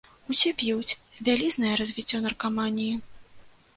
Усе п'юць, вялізнае развіццё наркаманіі.